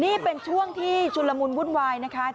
นี่เป็นช่วงที่ชุนละมุนวุ่นวายนะคะ